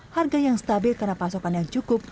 harga yang stabil karena pasokan yang cukup